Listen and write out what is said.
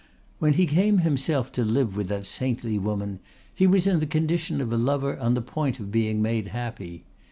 When he came himself to live with that saintly woman he was in the condition of a lover on the point of being made happy.